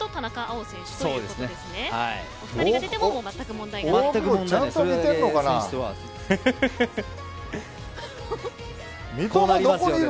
お２人が出てもまったく問題がない。